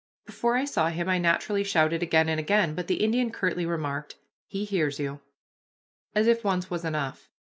Before I saw him I naturally shouted again and again, but the Indian curtly remarked, "He hears you," as if once was enough.